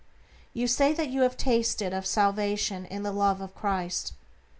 You say that you have tasted of salvation in the Love of Christ.